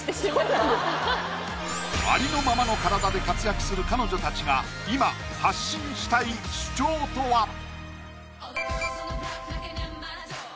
ありのままの体で活躍する彼女たちが今発信したい主張とは？